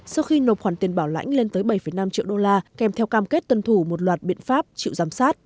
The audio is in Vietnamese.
sau khi nộp khoản tiền bảo lãnh lên tới bảy năm triệu đô la kèm theo cam kết tuân thủ một loạt biện pháp chịu giám sát